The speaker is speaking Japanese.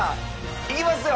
いきますよ？